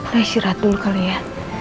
nah isi ratu dulu kali ya